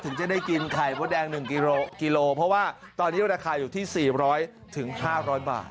ถึงจะได้กินไข่มดแดง๑กิโลเพราะว่าตอนนี้ราคาอยู่ที่๔๐๐๕๐๐บาท